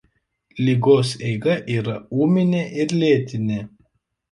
Ligos eiga yra ūminė ir lėtinė.